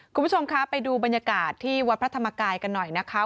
คุณผู้ชมคะไปดูบรรยากาศที่วัดพระธรรมกายกันหน่อยนะคะ